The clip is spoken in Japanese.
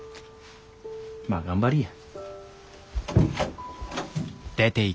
まあ頑張りぃや。